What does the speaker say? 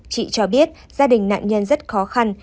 chị cho biết gia đình nạn nhân rất khó khăn